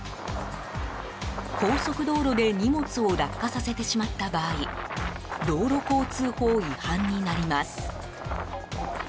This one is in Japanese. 高速道路で荷物を落下させてしまった場合道路交通法違反になります。